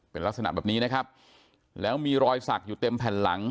เป็นลักษณะแบบนี้นะครับแล้วมีรอยสักอยู่เต็มแผ่นหลัง